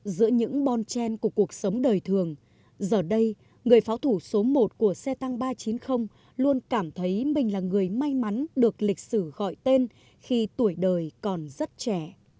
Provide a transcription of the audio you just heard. giữa những bon chen của cuộc sống đời thường giờ đây người pháo thủ số một của xe tăng ba trăm chín mươi luôn cảm thấy mình là người may mắn được lịch sử gọi tên khi tuổi đời còn rất trẻ